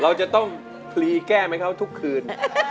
เราจะต้องพลีแก้มให้เขาทุกคืน